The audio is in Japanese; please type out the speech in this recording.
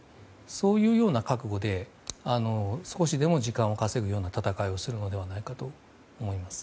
そういう覚悟で少しでも時間を稼ぐような戦いをするのではないかと思います。